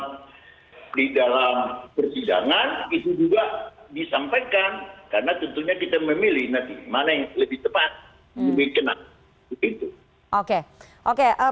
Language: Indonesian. pada hari ini di saat anda mengemumumi anda mengatakan bahwa anda tidak akan mencari kepentingan